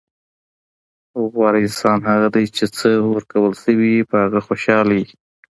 غوره انسان هغه دئ، چي څه ورکول سوي يي؛ په هغه خوشحال يي.